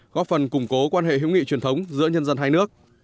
góp phần củng cố quan hệ hữu nghị truyền thống giữa nhân dân hai nước